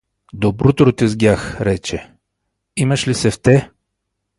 — Добрутро, тезгях! — рече. — Имаш ли сефте?